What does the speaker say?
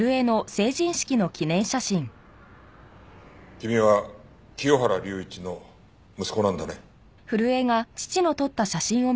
君は清原隆一の息子なんだね。